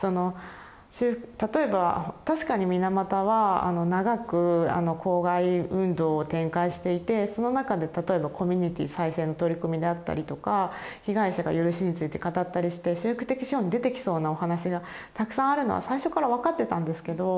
例えば確かに水俣は長く公害運動を展開していてその中で例えばコミュニティー再生の取り組みであったりとか被害者が赦しについて語ったりして修復的司法に出てきそうなお話がたくさんあるのは最初から分かってたんですけど。